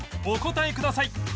お答えください